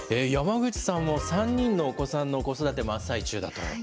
山口さんも３人のお子さんの子育て真っ最中だと。